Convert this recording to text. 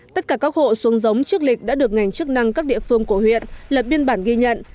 tất cả các hộ xuống giống trước lịch đã được ngành chức năng các địa phương của huyện lập biên bản ghi nhận